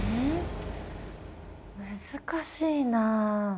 難しいな。